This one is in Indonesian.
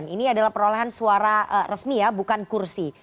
ini adalah perolehan suara resmi ya bukan kursi